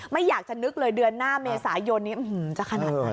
ไม่อยากจะนึกเลยเดือนหน้าเมษายนนี้จะขนาดไหน